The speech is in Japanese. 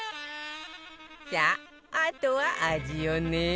さああとは味よね